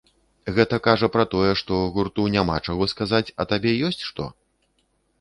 Гэта кажа пра тое, што гурту няма чаго сказаць, а табе ёсць што?